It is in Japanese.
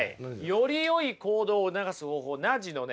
よりよい行動を促す方法ナッジのね